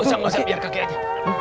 gak usah biar kakek aja